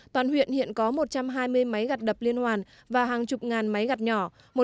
toàn huyện hiện có một trăm hai mươi máy gặt đập liên hoàn và hàng chục ngàn máy gặt nhỏ